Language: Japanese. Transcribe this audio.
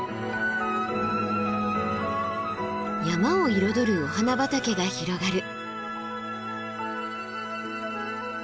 山を彩るお花畑が広がる。